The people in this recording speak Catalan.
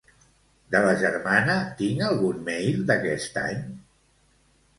De la germana tinc algun mail d'aquest any?